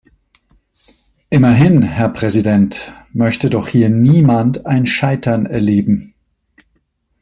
Immerhin, Herr Präsident, möchte doch hier niemand ein Scheitern erleben.